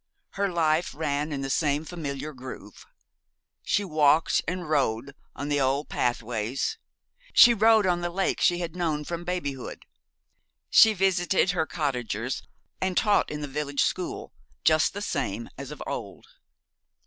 Her life ran in the same familiar groove. She walked and rode on the old pathways; she rowed on the lake she had known from babyhood; she visited her cottagers, and taught in the village school, just the same as of old.